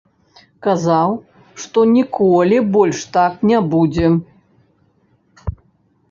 Казаў, што ніколі больш так не будзе.